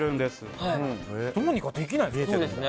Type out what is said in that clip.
どうにかできないですか？